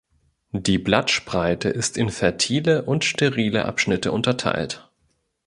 Die Blattspreite ist in fertile und sterile Abschnitte unterteilt.